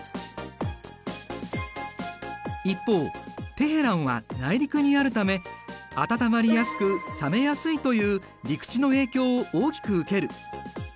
一方テヘランは内陸にあるため温まりやすく冷めやすいという陸地の影響を大きく受ける。